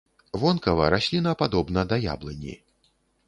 Вонкава расліна падобна да яблыні.